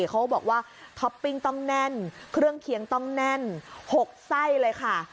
เขาบอกว่าท็อปปิ้งต้องแน่นเครื่องเคียงต้องแน่น๖ไส้เลยค่ะ